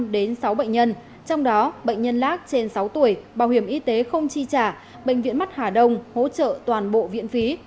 đến sáu bệnh nhân trong đó bệnh nhân lác trên sáu tuổi bảo hiểm y tế không chi trả bệnh viện mắt hà đông hỗ trợ toàn bộ viện phí